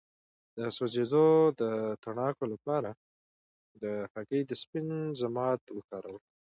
د سوځیدو د تڼاکو لپاره د هګۍ د سپین ضماد وکاروئ